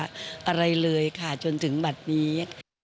ไม่มีอะไรเลยค่ะจนถึงแบบนี้